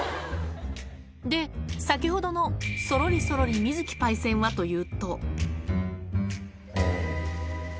で、先ほどのそろりそろりミズキパイセンはというと。